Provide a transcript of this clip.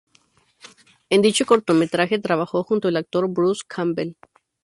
En dicho cortometraje trabajó junto al actor Bruce Campbell.